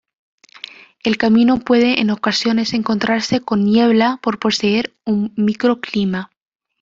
El camino puede en ocasiones encontrarse con niebla por poseer un microclima.